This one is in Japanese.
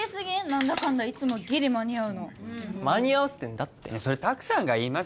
何だかんだいつもギリ間に合うの間に合わせてんだってそれ拓さんが言います？